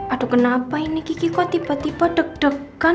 aduh kenapa ini kiki kok tiba tiba deg degan